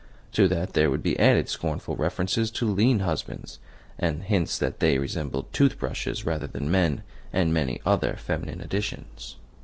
To that there would be added scornful references to lean husbands, and hints that they resembled tooth brushes rather than men with many other feminine additions.